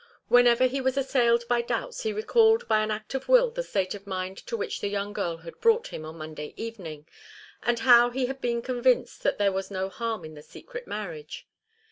Whenever he was assailed by doubts he recalled by an act of will the state of mind to which the young girl had brought him on Monday evening, and how he had then been convinced that there was no harm in the secret marriage.